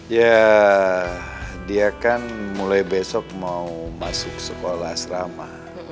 ya dia kan mulai besok mau masuk sekolah asrama